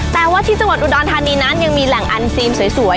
แต่ว่าที่จังหวัดอุดรธานีนั้นยังมีแหล่งอันซีมสวย